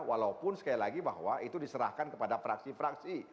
walaupun sekali lagi bahwa itu diserahkan kepada fraksi fraksi